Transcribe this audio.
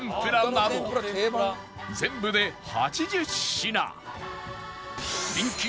全部で８０品